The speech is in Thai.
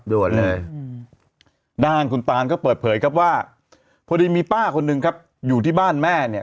ด่วนเลยอืมด้านคุณตานก็เปิดเผยครับว่าพอดีมีป้าคนหนึ่งครับอยู่ที่บ้านแม่เนี่ย